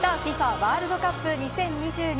ワールドカップ２０２２